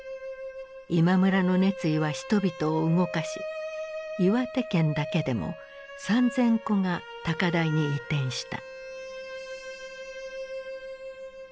今村の熱意は人々を動かし岩手県だけでも３，０００戸が高台に移転した。